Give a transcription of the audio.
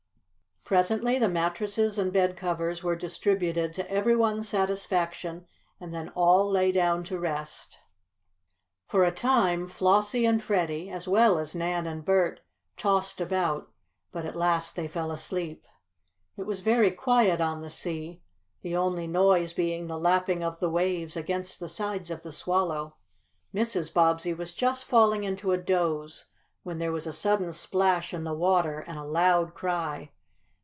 Presently the mattresses and bedcovers were distributed to everyone's satisfaction, and then all lay down to rest. For a time, Flossie and Freddie, as well as Nan and Bert, tossed about, but at last they fell asleep. It was very quiet on the sea, the only noise being the lapping of the waves against the sides of the Swallow. Mrs. Bobbsey was just falling into a doze when there was a sudden splash in the water, and a loud cry.